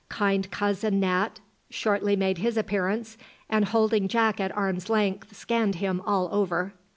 Kind cousin Nat shortly made his appearance, and holding Jack at arm's length, scanned him all over.